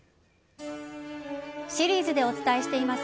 シリーズでお伝えしています